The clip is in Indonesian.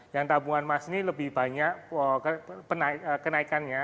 yang tabungan emas ini lebih banyak kenaikannya